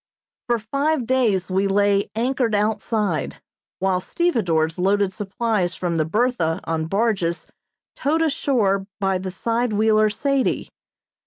For five days we lay anchored outside, while stevedores loaded supplies from the "Bertha" on barges towed ashore by the side wheeler "Sadie."